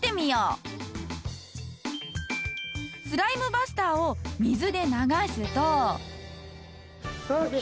スライムバスターを水で流すと。